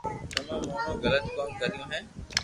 تمو موٽو غلط ڪوم ڪريو ھي